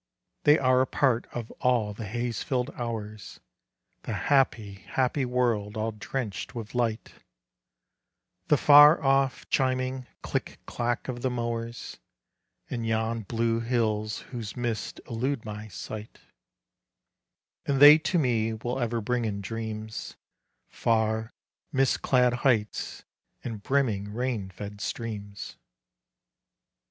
They are a part of all the haze filled hours, The happy, happy world all drenched with light, The far off, chiming click clack of the mowers, And yon blue hills whose mists elude my sight; And they to me will ever bring in dreams Far mist clad heights and brimming rain fed streams.